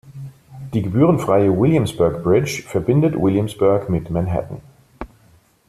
Die gebührenfreie Williamsburg Bridge verbindet Williamsburg mit Manhattan.